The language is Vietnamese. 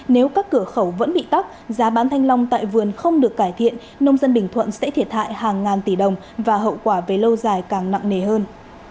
nếu các cửa khẩu vẫn bị tắc giá bán thanh long tại vườn không được cải thiện nông dân bình thuận sẽ thiệt hại hàng ngàn tỷ đồng và hậu quả về lâu dài càng nặng nề hơn